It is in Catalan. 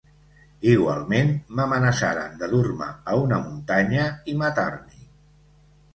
Igualment m’amenaçaren de dur-me a una muntanya i matar-m’hi.